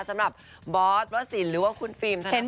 สำหรับบอสวัสินหรือว่าคุณฟิล์มธนาพัทย์นั่นเอง